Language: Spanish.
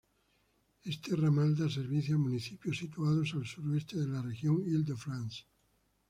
Este ramal da servicio a municipios situados al suroeste de la región Île-de-France.